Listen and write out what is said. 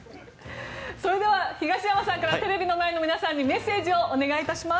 それでは東山さんからテレビの前の皆さんにメッセージをお願いいたします。